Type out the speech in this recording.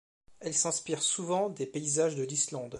Elle s'inspire souvent des paysages de l’Islande.